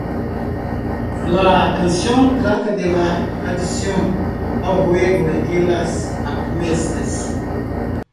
La canción trata de la adicción al juego y las apuestas.